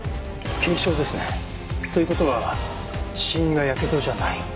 軽傷ですね。という事は死因はやけどじゃない。